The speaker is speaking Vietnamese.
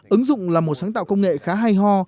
ứng dụng là một sáng tạo công nghệ khá hay ho